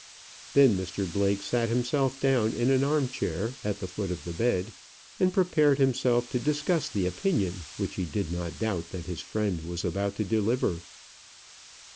Then Mr Blake sat himself down in an arm chair at the foot of the bed, and prepared himself to discuss the opinion which he did not doubt that his friend was about to deliver.